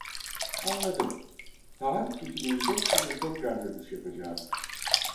Anladım , taahhüt bitiminde size tekrar dönüş yapacağım